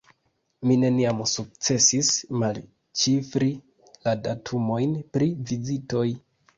Mi neniam sukcesis malĉifri la datumojn pri vizitoj.